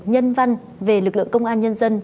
nhân văn về lực lượng công an nhân dân